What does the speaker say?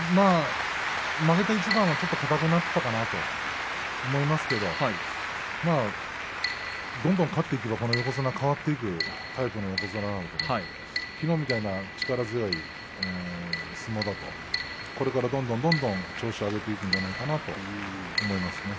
負けた一番はちょっと硬くなっていたかなと思いますけれどもどんどん勝っていけばこの横綱は変わっていくタイプの横綱なのできのうみたいな力強い相撲だとこれから、どんどんどんどん調子を上げていくんじゃないかなと思います。